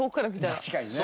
確かにね。